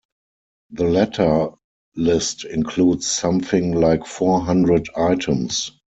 The latter list includes something like four hundred items.